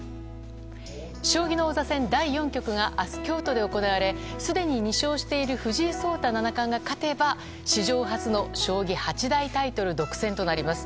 将棋の王座戦第４局が明日、京都で行われすでに２勝している藤井聡太七冠が勝てば史上初の将棋八大タイトル独占となります。